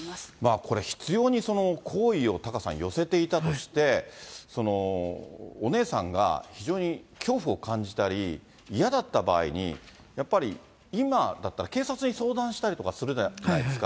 これ、必要に好意をタカさん、寄せていたとして、お姉さんが非常に恐怖を感じたり、嫌だった場合に、やっぱり今だったら警察に相談したりとかするじゃないですか。